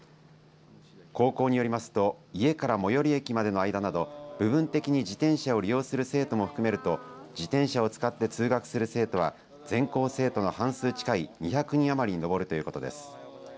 高校によりますと家から最寄り駅までの間など部分的に自転車を利用する生徒も含めると自転車を使って通学する生徒は全校生徒の半数近い２００人余りに上るということです。